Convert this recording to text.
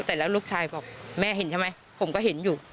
แต่แล้วลูกชายบอกแม่เห็นใช่ไหมผมก็เห็นอยู่